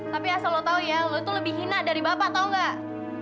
tapi asal lo tau ya lo itu lebih hina dari bapak tau gak